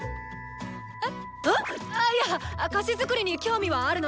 えっ⁉ん⁉あいやっ菓子作りに興味はあるのだがっ！